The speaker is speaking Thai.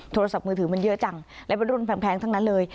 โทรศัพท์มือถือมันเยอะจังและเป็นรุ่นแพงทั้งนั้นเลย